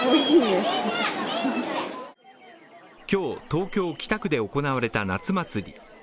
今日、東京・北区で行われた夏祭り。